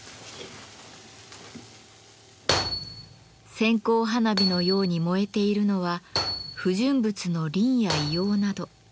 線香花火のように燃えているのは不純物のリンや硫黄など。